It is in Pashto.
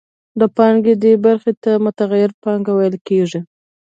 د پانګې دې برخې ته متغیره پانګه ویل کېږي